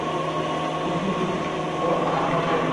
মুখ খুল আর কথা বল।